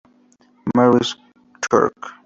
Mary´s Church.